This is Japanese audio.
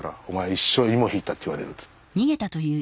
一生イモ引いたって言われるって。